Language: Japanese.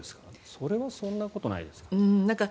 それはそんなことないですか。